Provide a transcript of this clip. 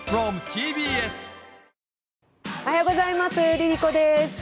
ＬｉＬｉＣｏです。